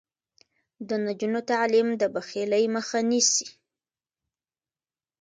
د نجونو تعلیم د بخیلۍ مخه نیسي.